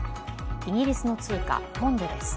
イギリスの通貨・ポンドです。